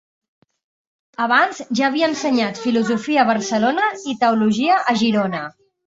Abans ja havia ensenyat filosofia a Barcelona i teologia a Girona.